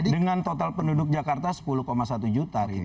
dengan total penduduk jakarta sepuluh satu juta